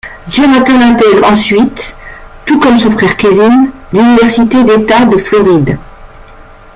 Jonathan intègre ensuite, tout comme son frère Kévin, l'Université d'État de Floride.